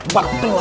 bakter lah selaku